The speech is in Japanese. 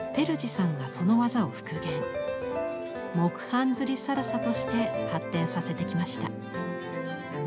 「木版摺更紗」として発展させてきました。